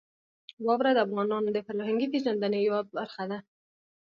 واوره د افغانانو د فرهنګي پیژندنې یوه برخه ده.